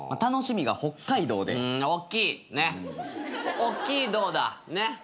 おっきいどうだねっ。